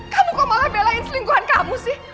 kamu kok malah belain selingkuhan kamu sih